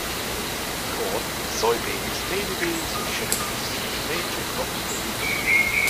Corn, soybeans, navy beans, and sugar beets are the major crops produced.